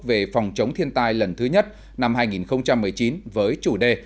về phòng chống thiên tai lần thứ nhất năm hai nghìn một mươi chín với chủ đề